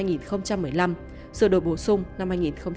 điều một trăm một mươi năm sự đổi bổ sung năm hai nghìn một mươi bảy